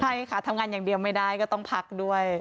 ใช่ค่ะทำงานอย่างเดียวไม่ได้ก็ต้องพักด้วย